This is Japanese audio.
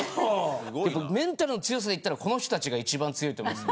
メンタルの強さでいったらこの人たちが一番強いと思います。